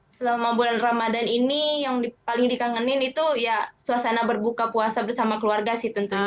selama bulan ramadan ini yang paling dikangenin itu ya suasana berbuka puasa bersama keluarga sih tentunya